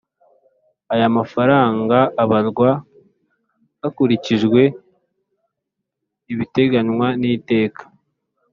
Ayo mafaranga abarwa hakurikijwe ibiteganywa n’Iteka